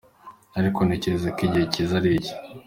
Ariko ntekereza ko igihe cyiza ari iki.